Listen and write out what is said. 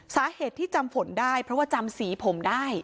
สาเหตุที่จำผลได้เพราะว่าจำสีผมได้